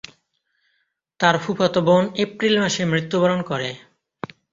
তার ফুফাতো বোন এপ্রিল মাসে মৃত্যুবরণ করে।